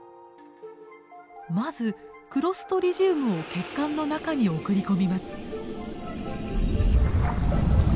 まずクロストリジウムを血管の中に送り込みます。